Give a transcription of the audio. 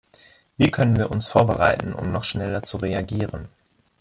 Wie können wir uns vorbereiten, um noch schneller zu reagieren?